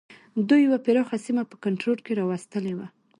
دوی یوه پراخه سیمه په کنټرول کې را وستلې وه.